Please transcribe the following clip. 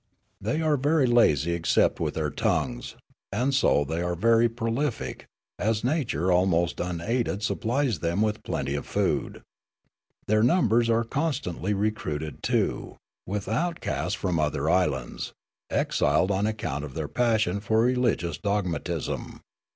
*' They are very lazy except with their tongues; and so they are very prolific, as nature almost unaided sup plies them with plenty of food. Their numbers are constantly recruited, too, with outcasts from the other islands, exiled on account of their passion for religious dogmatism.